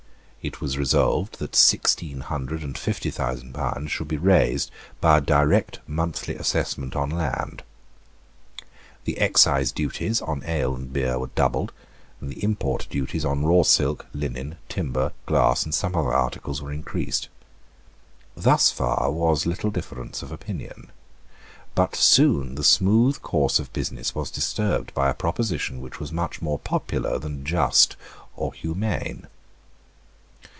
It was resolved that sixteen hundred and fifty thousand pounds should be raised by a direct monthly assessment on land. The excise duties on ale and beer were doubled; and the import duties on raw silk, linen, timber, glass, and some other articles, were increased, Thus far there was little difference of opinion. But soon the smooth course of business was disturbed by a proposition which was much more popular than just or humane.